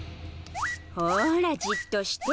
ほーらじっとして。